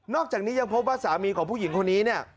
อกจากนี้ยังพบว่าสามีของผู้หญิงคนนี้เนี่ย